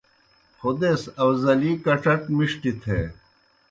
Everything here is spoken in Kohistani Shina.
خودیس آؤزلی کڇٹ مِݜٹیْ تھے۔